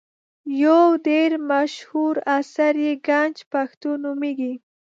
یو ډېر مشهور اثر یې ګنج پښتو نومیږي.